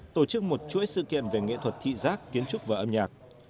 tổ chức một chuỗi sự kiện về nghệ thuật thị giác kiến trúc và âm nhạc